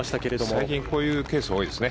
最近こういうケースが多いですよね。